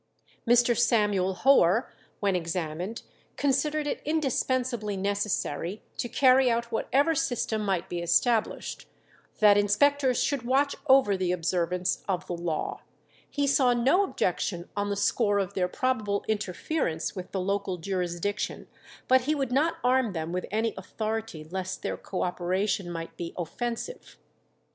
Mr. Samuel Hoare, when examined, considered it indispensably necessary, to carry out whatever system might be established, that inspectors should watch over the observance of the law. He saw no objection on the score of their probable interference with the local jurisdiction, but he would not arm them with any authority lest their co operation might be offensive.